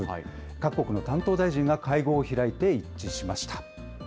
各国の担当大臣が会合を開いて一致しました。